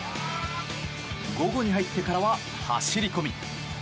午後に入ってからは、走り込み。